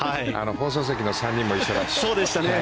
放送席の３人も一緒でした。